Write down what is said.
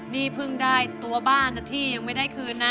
นี่เพิ่งได้ตัวบ้านนะที่ยังไม่ได้คืนนะ